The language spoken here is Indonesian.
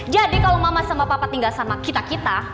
jadi kalau mama sama papa tinggal sama kita kita